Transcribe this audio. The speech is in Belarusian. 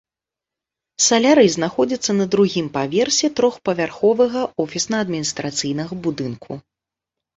Салярый знаходзіцца на другім паверсе трохпавярховага офісна-адміністрацыйнага будынку.